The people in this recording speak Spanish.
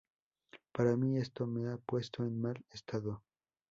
Para mí, esto me ha puesto en mal estado.